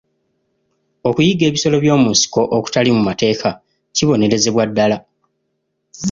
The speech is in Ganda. Okuyigga ebisolo byomunsiko okutali mu mateeka kibonerezebwa ddala.